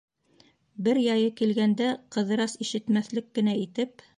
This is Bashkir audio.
Бер яйы килгәндә, Ҡыҙырас ишетмәҫлек кенә итеп: